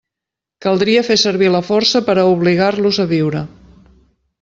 Caldria fer servir la força per a obligar-los a viure.